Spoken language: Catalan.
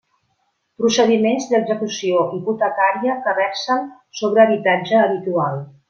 Procediments d'execució hipotecària que versen sobre habitatge habitual.